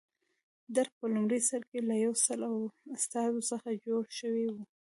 درګ په لومړي سر کې له یو سل اوه استازو څخه جوړ شوی و.